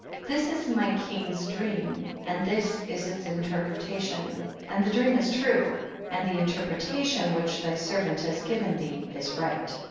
This is my king's dream, and this is its interpretation, and the dream is true, and the interpretation which thy servant ha» given thee is right.